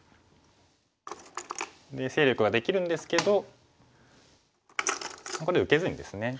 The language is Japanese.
勢力ができるんですけどこれ受けずにですね